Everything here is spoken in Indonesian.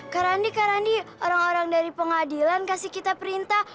kak randi kak randi orang orang dari pengadilan kasih kita perintah